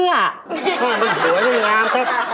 แม่มันสวยมันงามครับ